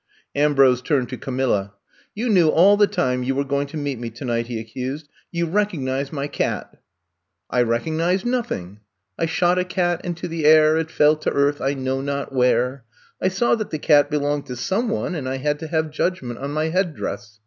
'^ Ambrose turned to Camilla. You knew all the time you were going to meet me to night," he accused. You recognized my cat.'' I recognized nothing. I shot a cat into the air, It fell to earth, I know not where. I saw that the cat belonged to some one and I had to have judgment on my head dress.